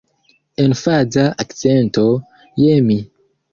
Emfaza akcento je mi.